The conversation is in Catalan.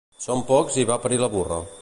Som pocs i va parir la burra